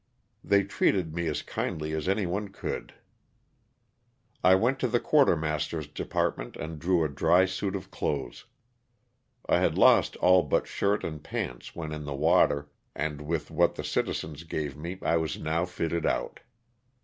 They treated me as kindly as any one could. 1 went to the quarter master's department and drew a dry suit of clothes. I had lost all but shirt and pants when in the water, and with what the citizens gave me I was now fitted out.